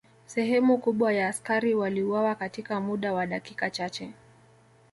Sehemu kubwa ya askari waliuawa katika muda wa dakika chache